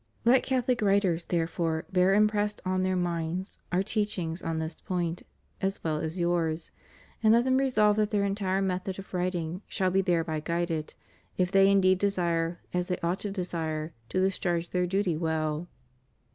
Let Catholic writers, therefore, bear impressed on their minds Our teachings on this point as well as yours; and let them resolve that their entire method of writing shall be thereby guided, if they indeed desire, as they ought to desire, to discharge their duty well.